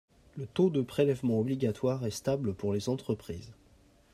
Le taux de prélèvement obligatoire est stable pour les entreprises.